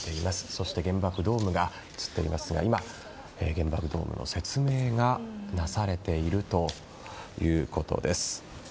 そして原爆ドームが映っていますが今、原爆ドームの説明がなされているということです。